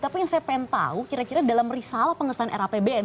tapi yang saya pengen tahu kira kira dalam risalah pengesahan rapbn